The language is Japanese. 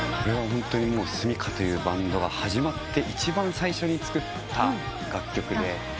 ホントにｓｕｍｉｋａというバンドが始まって一番最初に作った楽曲で。